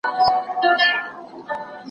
نقاش لا ډېر زلمی و